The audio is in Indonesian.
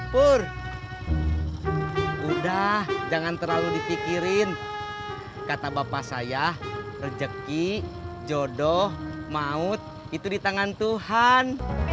pur udah jangan terlalu dipikirin kata bapak saya rejeki jodoh maut itu di tangan tuhan